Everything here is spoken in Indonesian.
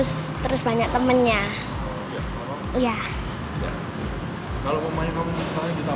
ya tempatnya bagus terus kita bisa lihat tempat tempatnya juga jadi kita bisa lihat tempat tempat ini juga seperti itu ya